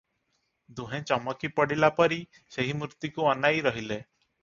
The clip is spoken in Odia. ଦୁହେଁ ଚମକି ପଡିଲାପରି ସେହି ମୂର୍ତ୍ତିକୁ ଅନାଇ ରହିଲେ ।